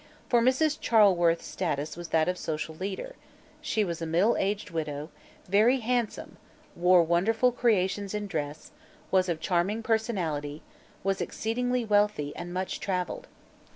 For Mrs. Charleworth's status was that of social leader; she was a middle aged widow, very handsome, wore wonderful creations in dress, was of charming personality, was exceedingly wealthy and much traveled.